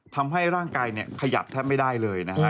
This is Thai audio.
ทำให้ร่างกายขยับแทบไม่ได้เลยนะฮะ